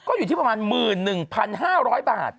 ก็อยู่ที่ประมาณ๑๑๕๐๐บาท